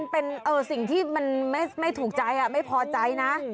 เป็นสิ่งที่มันไม่ถูกใจไม่พอใจนะ